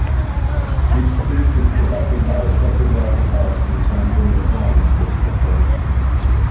Each piece is protected by a cryptographic hash contained in the torrent descriptor.